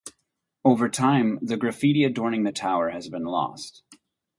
Over time the graffiti adorning the tower has been lost.